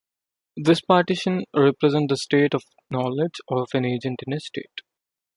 This partition represents the state of knowledge of an agent in a state.